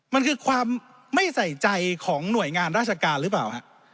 มันคือความไม่ใส่ใจของหน่วยงานราชการหรือเปล่าฮะ